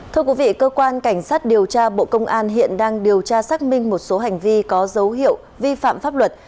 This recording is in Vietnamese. thưa quý vị cơ quan cảnh sát điều tra bộ công an hiện đang điều tra xác minh một số hành vi có dấu hiệu vi phạm pháp luật